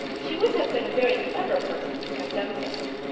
She would have been a very clever person to have done so.